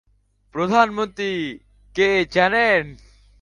প্রধানমন্ত্রী কি জানেন?